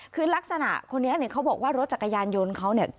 คือลักษณะคนนี้เนี่ยเขาบอกว่ารถจักรยานยนต์เขาเนี่ย